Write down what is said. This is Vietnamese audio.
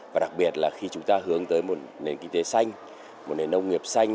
và đặc biệt là khi chúng ta hướng tới một nền kinh tế xanh một nền nông nghiệp xanh